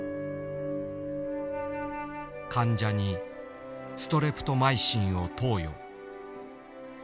患者にストレプトマイシンを投与。